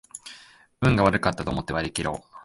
運が悪かったと思って割りきろう